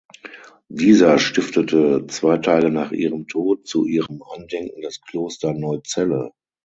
Dieser stiftete zwei Tage nach ihrem Tod zu ihrem Andenken das Kloster Neuzelle.